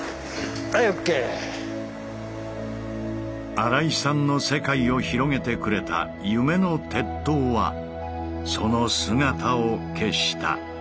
新井さんの世界を広げてくれた夢の鉄塔はその姿を消した。